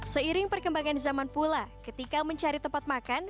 seiring perkembangan zaman pula ketika mencari tempat makan